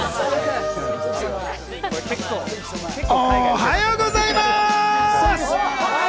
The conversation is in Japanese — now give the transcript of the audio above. おはようございます！